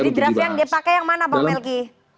jadi draft yang dipakai yang mana pak melki